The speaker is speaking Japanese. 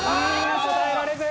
答えられず！